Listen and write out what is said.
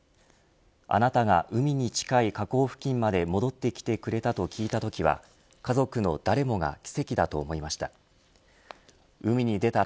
あなたが海に近い河口付近まで戻ってきてくれたと聞いたときは家族の誰もが奇跡だと思いました。